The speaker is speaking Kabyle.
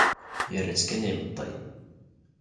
Yerra-tt kan i yimeṭṭi.